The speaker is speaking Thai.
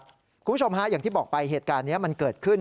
คุณผู้ชมฮะอย่างที่บอกไปเหตุการณ์นี้มันเกิดขึ้น